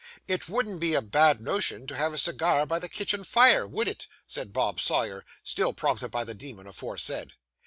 'It wouldn't be a bad notion to have a cigar by the kitchen fire, would it?' said Bob Sawyer, still prompted by the demon aforesaid.